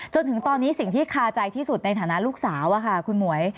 จนถึงตอนนี้สิ่งที่คาใจที่สุดในฐานะลูกสาวคุณหมวย